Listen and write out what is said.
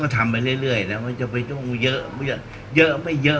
ก็จะทำไปเรื่อยก็จะไปดูเยอะแบบเยอะไหมเยอะ